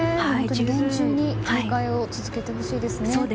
厳重に警戒を続けてほしいですね。